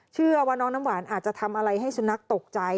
เชื่อว่าน้องน้ำหวานอาจจะทำอะไรให้สุนัขตกใจ